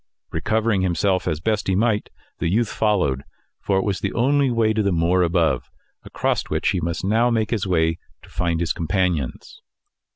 Recovering himself as he best might, the youth followed, for it was the only way to the moor above, across which he must now make his way to find his companions.